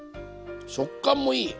食感もいい。